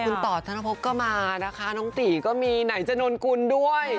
คุณต่อธนภพก็มานะคะน้องตีก็มีไหนจนนนกุลด้วย